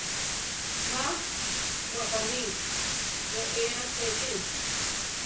Má wajoní ¡reé achesi!